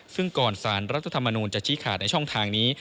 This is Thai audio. ซึ่งก่อนสารรัฐธรรมนูลจะชี้ขาดในช่องทางนี้